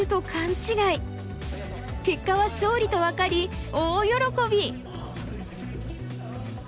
結果は勝利と分かり大喜び！